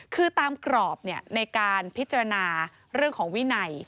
คือตามกรอบในการพิจารณาเรื่องของวินัย